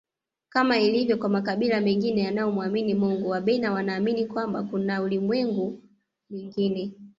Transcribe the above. Kama ilivyo kwa makabila mengine yanayo mwamini Mungu Wabena wanaamini kwamba kuna ulimwengu mwingine